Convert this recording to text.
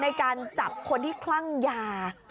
ในการจับคนที่คลั่งยา